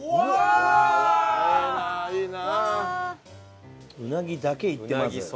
うなぎだけいってまず。